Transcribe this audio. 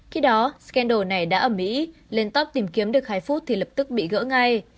khi đó scandal này đã ở mỹ lên top tìm kiếm được hai phút thì lập tức bị gỡ ngay